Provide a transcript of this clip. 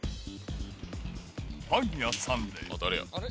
パン屋さんで。